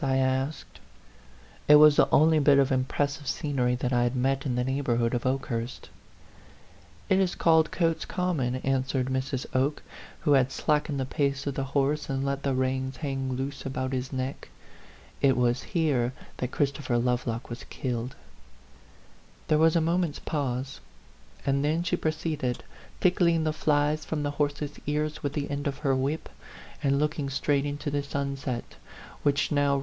I asked. It was the only bit of impressive scenery that I had met in the neighborhood of Oke hurst. " It is called Cotes Common," answered Mrs. Oke, who had slackened the pace of the horse and let the reins hang loose about his neck. "It was here that Christopher Love lock was killed." There was a moment's pause; and then she proceeded, tickling the flies from the horse's ears with the end of her whip, and looking straight into the sunset, which now 80 A PHANTOM LOVER.